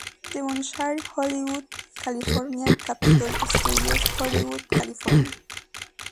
Devonshire Hollywood California, Capitol Studios, Hollywood California